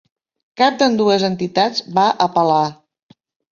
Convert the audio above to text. Cap d'ambdues entitats va apel·lar.